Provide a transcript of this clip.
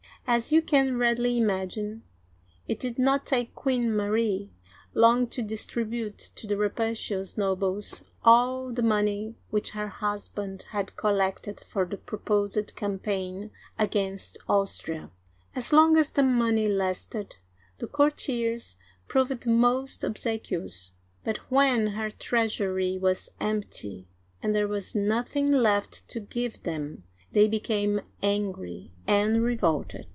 As you can readily imagine, it did not take Queen Marie long to distribute to the rapacious nobles all the money which her husband had collected for the proposed campaign against Austria. As long as the money lasted, the courtiers proved most obsequious, but when her treas ury was empty, and there was nothing left to give them, they became angry and revolted.